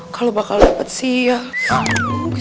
kalau bakal dapet siap